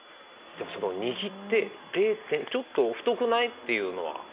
でも握って「ちょっと太くない？」っていうのは？